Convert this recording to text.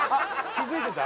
気づいてた？